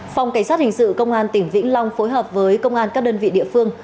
phòng cảnh sát hình sự công an tỉnh vĩnh long phối hợp với công an các đơn vị địa phương